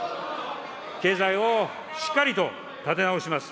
経済をしっかりと立て直します。